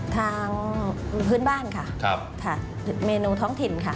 ทางพื้นบ้านค่ะเมนูท้องถิ่นค่ะ